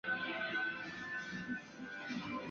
彭家祠的历史年代为清代。